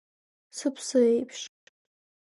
Сыԥсы еиԥш.